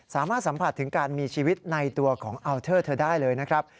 สามารถสัมผัสถึงการมีชีวิตในตัวของอัลเทอร์เธอได้เลยนะครับ